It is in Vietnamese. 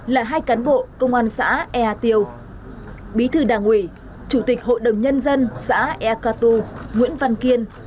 là hai cán bộ công an xã ea tiêu bí thư đảng ủy chủ tịch hội đồng nhân dân xã ea cà tù nguyễn văn kiên